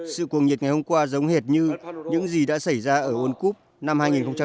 sự cuồng nhiệt ngày hôm qua giống hệt như những gì đã xảy ra ở world cup năm hai nghìn hai